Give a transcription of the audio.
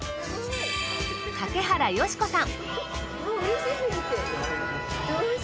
竹原芳子さん。